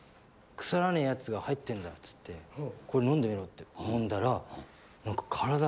「腐らねえやつが入ってんだよ」って言って「これ飲んでみろ」って飲んだら。